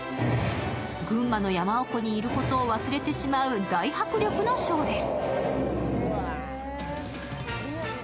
群馬の山奥にいることを忘れてしまう大迫力のショーです。